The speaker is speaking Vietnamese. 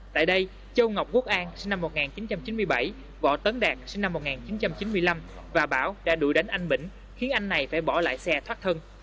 tại đây châu ngọc quốc an sinh năm một nghìn chín trăm chín mươi bảy võ tấn đạt sinh năm một nghìn chín trăm chín mươi năm và bảo đã đuổi đánh anh bỉnh khiến anh này phải bỏ lại xe thoát thân